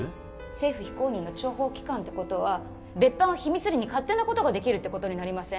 政府非公認の諜報機関ってことは別班は秘密裏に勝手なことができるってことになりません？